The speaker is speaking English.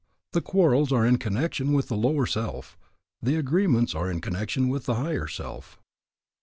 The quarrels are in connection with the lower self, the agreements are in connection with the higher self.